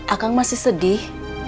akang masih sedih